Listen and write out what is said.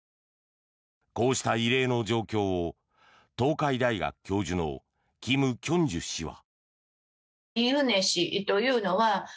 こうした異例の状況を東海大学教授の金慶珠氏は。